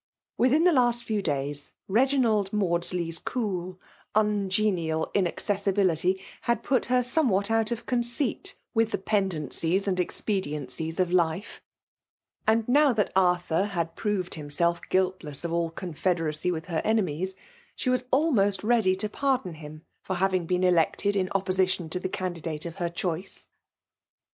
Within the last few days, Begi* nald Maudsley'^s cool, ungenial inaccessibility had put her somewhat out of conceit with the pendencies and expediencies of life ; and now that Arthur had proved himself guiltlesii of all confederacy with her enemies, she was almost ready to pardon him (or having been decied in opposition to the candidate of her choice.